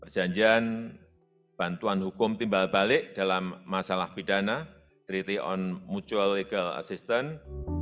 perjanjian bantuan hukum timbal balik dalam masalah pidana treaty on mutual legal assistance